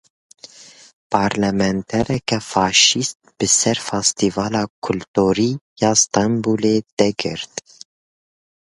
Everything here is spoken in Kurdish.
Parlamentereke faşîst bi ser Festîvala Kulturî ya Stenbolê de girt.